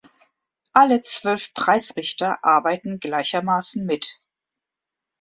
Alle zwölf Preisrichter arbeiten gleichermaßen mit.